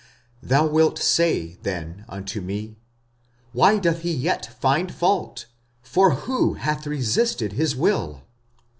45:009:019 Thou wilt say then unto me, Why doth he yet find fault? For who hath resisted his will?